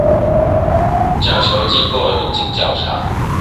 甲球經過的路徑較長